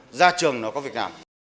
và ra trường nó có việc làm